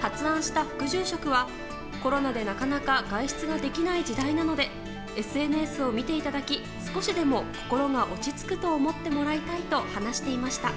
発案した副住職は、コロナでなかなか外出ができない時代なのでＳＮＳを見ていただき少しでも心が落ち着くと思ってもらいたいと話していました。